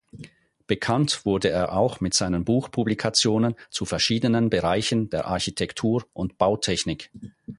Bekannt wurde er auch mit seinen Buchpublikationen zu verschiedenen Bereichen der Architektur und Bautechnik.